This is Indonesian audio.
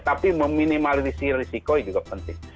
tapi meminimalisi risiko juga penting